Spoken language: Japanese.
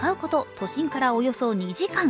都心からおよそ２時間。